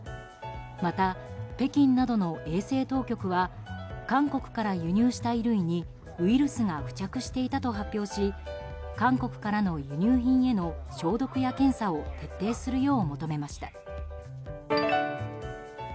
また、北京などの衛生当局は韓国から輸入した衣類にウイルスが付着していたと発表し韓国からの輸入品への消毒や検査を徹底するよう求めました。